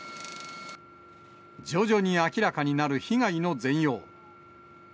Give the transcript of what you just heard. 徐々に明らかになる被害の全容。